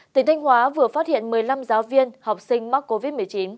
tỉnh thanh hóa vừa phát hiện một mươi năm giáo viên học sinh mắc covid một mươi chín